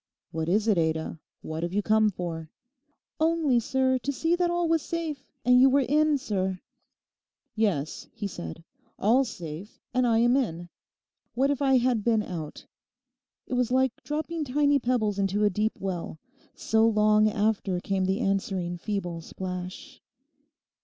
'What is it, Ada? What have you come for?' 'Only, sir, to see that all was safe, and you were in, sir.' 'Yes,' he said. 'All's safe; and I am in. What if I had been out?' It was like dropping tiny pebbles into a deep well—so long after came the answering feeble splash.